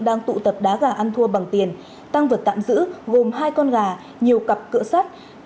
đang tụ tập đá gà ăn thua bằng tiền tăng vật tạm giữ gồm hai con gà nhiều cặp cửa sắt